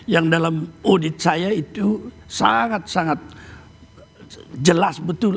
yang dalam audit saya itu sangat sangat jelas betul